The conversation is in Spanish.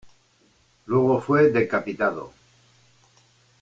Luego fue decapitado.